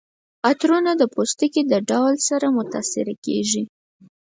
عطرونه د پوستکي د ډول سره متاثره کیږي.